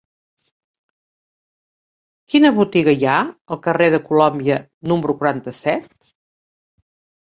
Quina botiga hi ha al carrer de Colòmbia número quaranta-set?